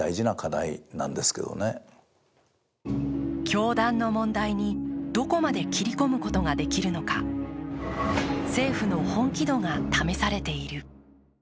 教団の問題にどこまで切り込むことができるのか、政府の本気度が試されている。